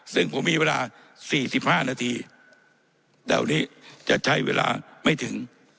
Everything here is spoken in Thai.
ซึ่งผมมีเวลา๔๕นาทีเดี๋ยวนี้จะใช้เวลาไม่ถึง